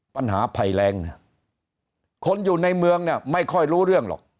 ปัญหาภัยแรงคนอยู่ในเมืองไม่ค่อยรู้เรื่องหรอก